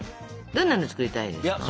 どんなの作りたいですか？